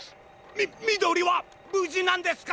みみどりはぶじなんですか！？